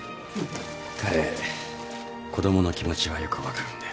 彼子供の気持ちはよく分かるんで。